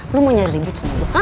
lu mau nyari ribut sama gue